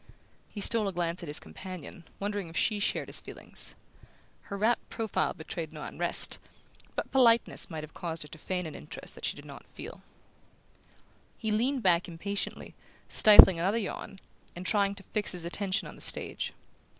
He stole a glance at his companion, wondering if she shared his feelings. Her rapt profile betrayed no unrest, but politeness might have caused her to feign an interest that she did not feel. He leaned back impatiently, stifling another yawn, and trying to fix his attention on the stage.